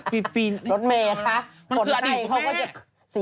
พี่พีชรถเมคคะคนใจเขาก็จะเสียใจนะคะครับรถเมค